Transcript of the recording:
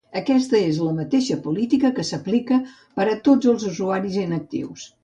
Aquesta és la mateixa política que s’aplica per a tots els usuaris inactius.